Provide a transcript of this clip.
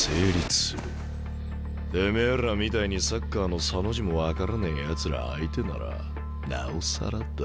てめえらみたいにサッカーのサの字も分からねえやつら相手ならなおさらだ。